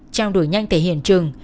trang đổi nhanh tại hiện trường